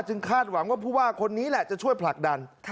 คาดหวังว่าผู้ว่าคนนี้แหละจะช่วยผลักดัน